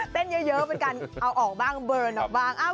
เต้นเยอะเป็นการเอาออกบ้างเบิร์นออกบ้าง